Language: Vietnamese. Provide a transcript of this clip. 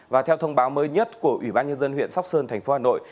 và theo thông báo mới nhất của ủy ban nhân dân huyện sóc sơn thành phố hà nội